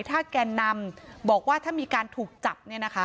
ถ้าแกนนำบอกว่าถ้ามีการถูกจับ